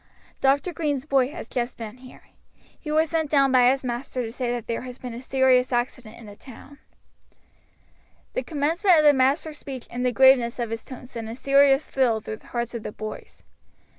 Dr. Green's boy has just been here. He was sent down by his master to say that there has been a serious accident in the town." The commencement of the master's speech and the graveness of his tone sent a serious thrill through the hearts of the boys. Mr.